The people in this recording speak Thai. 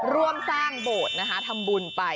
ร่วมสร้างโบสถ์นะคะทำบุญไป